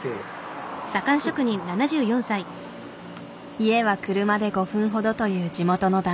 家は車で５分ほどという地元の男性。